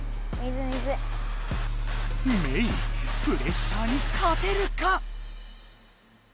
メイプレッシャーに勝てるか？